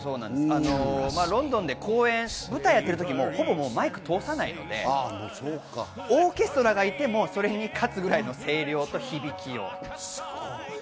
ロンドンで公演、舞台やってる時もほぼマイク通さないので、オーケストラがいても、それに勝つぐらいの声量と響きを。